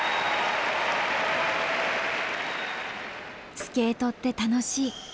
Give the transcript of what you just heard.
スケートって楽しい。